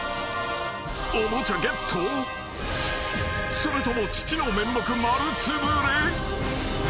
［それとも父の面目丸つぶれ？］